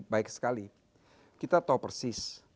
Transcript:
baik sekali kita tahu persis